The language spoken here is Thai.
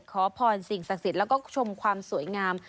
ขอพรสิ่งศักดิ์สิทธิ์แล้วก็ชมความสวยงาม